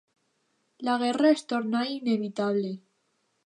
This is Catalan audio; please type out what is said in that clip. La guerra es tornà inevitable.